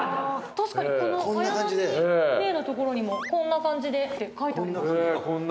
確かにこの綾波レイの所にも「こんな感じで」って書いてありますね。